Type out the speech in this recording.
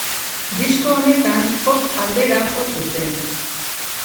Disko honetan pop aldera jo zuten.